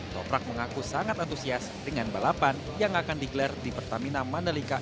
toprak mengaku sangat antusias dengan balapan yang akan digelar di pertamina mandalika